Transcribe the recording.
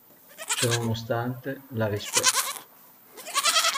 Ciò nonostante, la rispetto".